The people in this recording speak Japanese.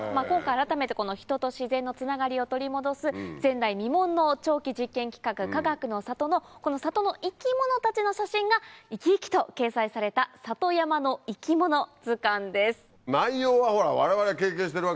今回改めてこの人と自然のつながりを取り戻す前代未聞の長期実験企画かがくの里のこの里の生き物たちの写真が生き生きと掲載された『里山の生き物図鑑』です。